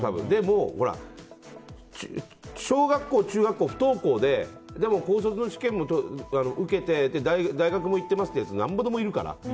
でも小学校、中学校と不登校ででも、高卒の試験も受けて大学も行っている人なんぼでもいるから。